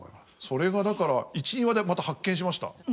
それがだから１２話でまた発見しました。